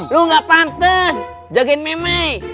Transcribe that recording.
lu gak pantes jagain meme